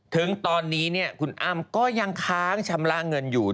ถึงตอนนี้คุณอ้ำก็ยังค้างชำระเงินอยู่